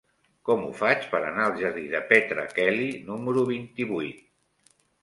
Com ho faig per anar al jardí de Petra Kelly número vint-i-vuit?